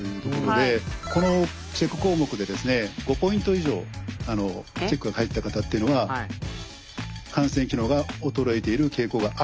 このチェック項目でですね５ポイント以上チェックが入った方っていうのは汗腺機能が衰えている傾向があるというふうに考えられます。